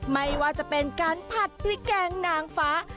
ไม่ว่าจะเป็นการผัดพริกแกงนางฟ้า